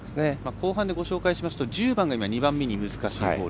後半でご紹介しますけど１０番が２番目に難しいホール。